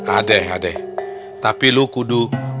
ada ada tapi lu kudu wawancara dulu sama gue ya